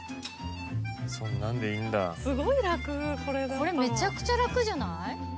これめちゃくちゃ楽じゃない？